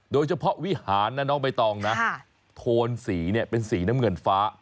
โดยเฉพาะวิหารนะน้องใบตองโทนสีเป็นสีน้ำเงินฟ้า